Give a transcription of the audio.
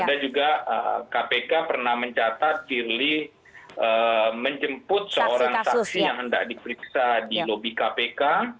ada juga kpk pernah mencatat firly menjemput seorang saksi yang hendak diperiksa di lobi kpk